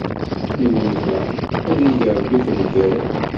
Mi mmuteɣ, ad ig Ṛebbi tenger!